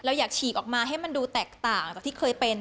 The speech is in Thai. อยากฉีกออกมาให้มันดูแตกต่างจากที่เคยเป็น